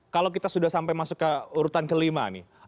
kalau kita sudah sampai masuk ke urutan kelima nih